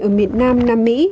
ở miền nam nam mỹ